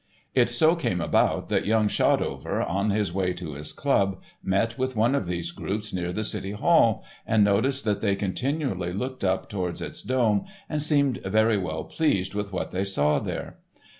It so came about that young Shotover, on his way to his club, met with one of these groups near the City Hall, and noticed that they continually looked up towards its dome and seemed very well pleased with what they saw there.